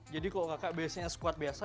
jadi kalau kakak biasanya squat biasa